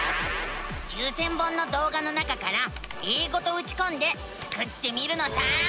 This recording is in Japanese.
９，０００本のどうがの中から「英語」とうちこんでスクってみるのさ！